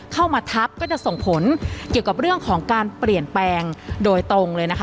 เข้ามาทับก็จะส่งผลเกี่ยวกับเรื่องของการเปลี่ยนแปลงโดยตรงเลยนะคะ